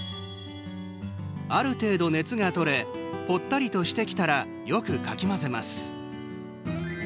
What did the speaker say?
ある程度、熱がとれぽったりとしてきたらよくかき混ぜます。